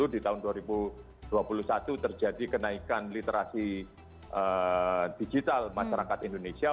di tahun dua ribu dua puluh satu terjadi kenaikan literasi digital masyarakat indonesia